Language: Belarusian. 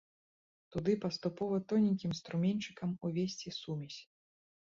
Туды паступова тоненькім струменьчыкам увесці сумесь.